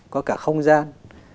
có cả không gian